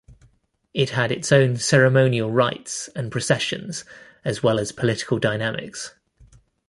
It had its own ceremonial rites and processions as well as political dynamics.